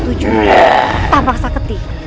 tanpa paksa ketik